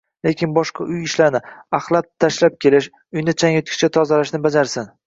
lekin boshqa uy ishlarini – axlat tashlab kelish, uyni changyutgichda tozalashni bajarsin.